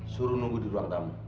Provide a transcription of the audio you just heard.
suruh nunggu di ruang tamu